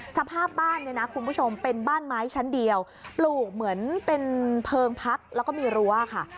สภาพบ้านเนี่ยนะคุณผู้ชมเป็นบ้านไม้ชั้นเดียวปลูกเหมือนเป็นเพลิงพักแล้วก็มีรั้วค่ะ